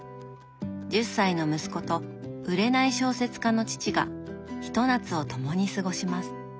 １０歳の息子と売れない小説家の父がひと夏を共に過ごします。